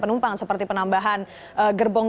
penumpang seperti penambahan gerbong